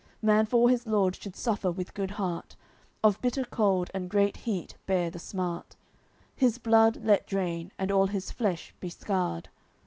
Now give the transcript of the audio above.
Man for his lord should suffer with good heart, Of bitter cold and great heat bear the smart, His blood let drain, and all his flesh be scarred.